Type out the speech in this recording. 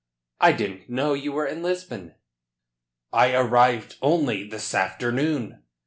"I didn't know you were in Lisbon." "I arrived only this afternoon."